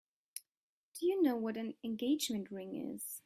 Do you know what an engagement ring is?